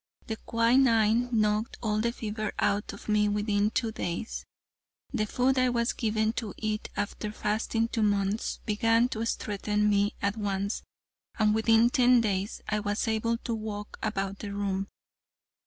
The quinine knocked all the fever out of me within two days. The food I was given to eat after fasting two months, began to strengthen me at once and within ten days I was able to walk about the room.